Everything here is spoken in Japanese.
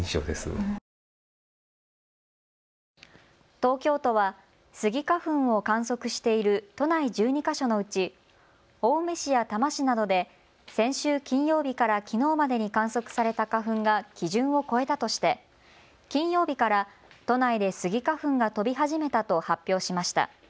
東京都はスギ花粉を観測している都内１２か所のうち青梅市や多摩市などで先週金曜日からきのうまでに観測された花粉が基準を超えたとして金曜日から都内でスギ花粉が飛び始めたと発表しました。